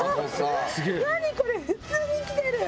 何これ普通に来てる！